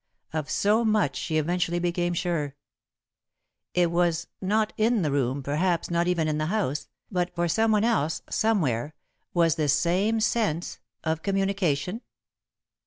Of so much she eventually became sure. It was not in the room, perhaps not even in the house, but for someone else, somewhere, was this same sense of communication?